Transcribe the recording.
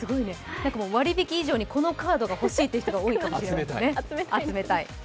割引以上にこのカードが欲しいという人が多いかも知れませんね、集めたい。